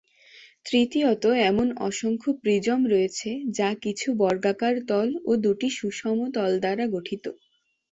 তৃতীয়ত এমন অসংখ্য প্রিজম রয়েছে যা কিছু বর্গাকার তল এবং দুটি সুষম তল দ্বারা গঠিত।